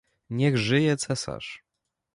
"Niech żyje cesarz!"